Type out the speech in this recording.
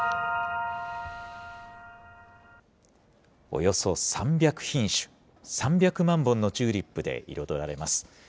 およそ３００品種、３００万本のチューリップで彩られます。